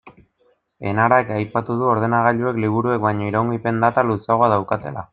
Enarak aipatu du ordenagailuek liburuek baino iraungipen data luzeagoa daukatela.